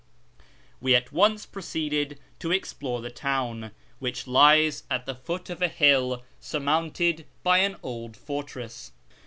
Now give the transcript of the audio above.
We at once proceeded to explore the town, which lies at the foot of a hill surmounted by an old fortress.